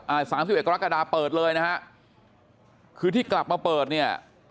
สามสิบเอ็กกรกฎาเปิดเลยนะฮะคือที่กลับมาเปิดเนี่ย